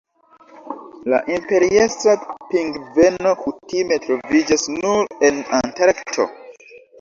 La Imperiestra pingveno kutime troviĝas nur en Antarkto.